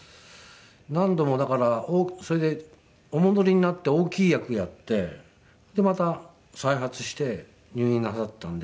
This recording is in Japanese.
何度もだからそれでお戻りになって大きい役やってまた再発して入院なさったんで。